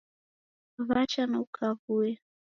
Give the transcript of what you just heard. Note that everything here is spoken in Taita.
Wacha na ukawuya